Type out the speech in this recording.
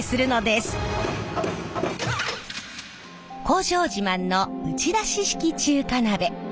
工場自慢の打ち出し式中華鍋。